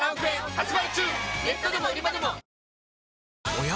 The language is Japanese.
おや？